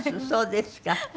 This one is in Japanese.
そうですか。